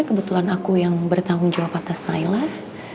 kebetulan aku yang bertanggung jawab atas thailand